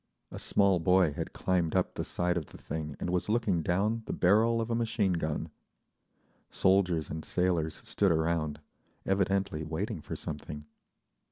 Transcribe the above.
A small boy had climbed up the side of the thing and was looking down the barrel of a machine gun. Soldiers and sailors stood around, evidently waiting for something.